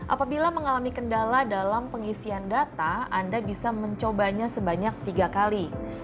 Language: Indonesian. apabila mengalami kendala dalam pengisian data anda bisa mencobanya sebanyak tiga kali